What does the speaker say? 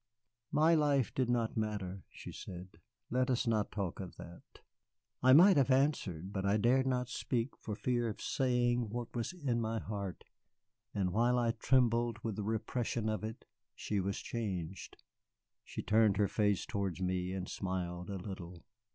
"My life did not matter," she said. "Let us not talk of that." I might have answered, but I dared not speak for fear of saying what was in my heart. And while I trembled with the repression of it, she was changed. She turned her face towards me and smiled a little.